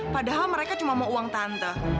padahal mereka cuma mau uang tante